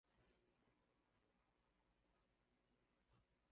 Mwanabiashara huyo ana pesa nyingi